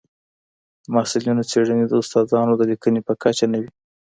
د محصلینو څېړني د استادانو د لیکنو په کچه نه وي.